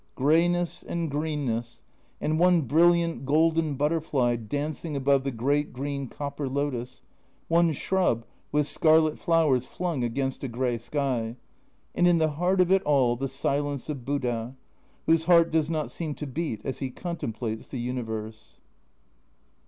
Grey ness and greenness and one brilliant golden butterfly dancing above the great green copper lotus, one shrub with scarlet flowers flung against a grey sky and in the heart of it all the silence of Buddha, whose heart does not seem to beat as he contemplates the universe.